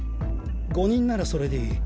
誤認ならそれでいい。